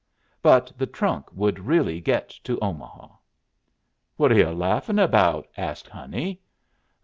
But the trunk would really get to Omaha. "What are yu' laughin' about?" asked Honey.